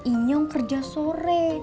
inyong kerja sore